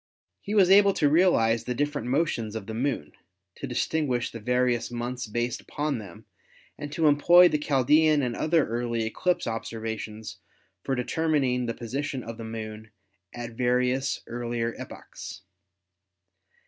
He was able to realize the different motions of the Moon, to distinguish the various months based upon them and to employ the Chaldean and other early eclipse ob servations for determining the position of the Moon at various earlier epochs.